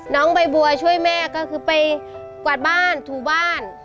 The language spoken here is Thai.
น้องใบบัวช่วยแม่ก็คือไปกวาดบ้านถูบ้าน